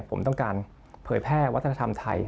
ผมต้องการเผยแพร่วัฒนธรรมไทย